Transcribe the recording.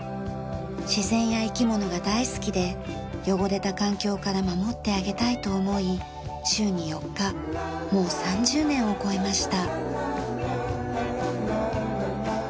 自然や生き物が大好きで汚れた環境から守ってあげたいと思い週に４日もう３０年を超えました。